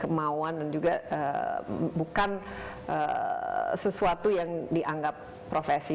kemauan dan juga bukan sesuatu yang dianggap profesi